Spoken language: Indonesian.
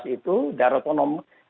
itu daerah otonom